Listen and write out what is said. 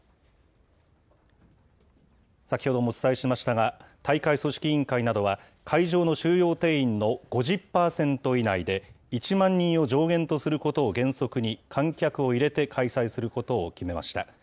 先ほどもお伝えしましたが、大会組織委員会などは、会場の収容定員の５０％以内で、１万人を上限とすることを原則に、観客を入れて開催することを決めました。